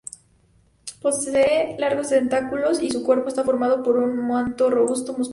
Posee largos tentáculos y su cuerpo está formado por un manto robusto y musculoso.